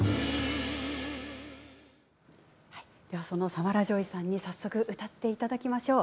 サマラ・ジョイさんに早速歌っていただきましょう。